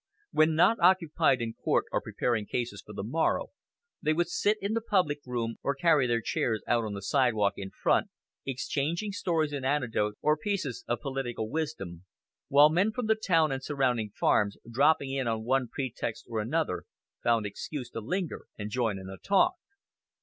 When not occupied in court, or preparing cases for the morrow, they would sit in the public room, or carry their chairs out on the sidewalk in front, exchanging stories and anecdotes, or pieces of political wisdom, while men from the town and surrounding farms, dropping in on one pretext or another, found excuse to linger and join in the talk.